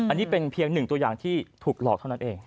อันนี้เป็นเพียงหนึ่งตัวอย่างที่ถูกหลอกเท่านั้นเอง